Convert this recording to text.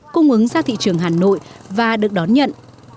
cung ứng ra thị trường hà nội và được đón nhận